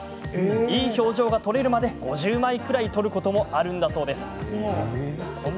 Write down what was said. いい表情が撮れるまで５０枚くらい撮ることもあるんだそうです。